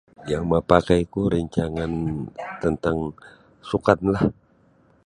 Yang mapakai ku rancangan tantang sukan lah.